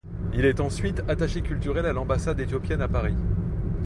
Il est ensuite attaché culturel à l'ambassade éthiopienne à Paris.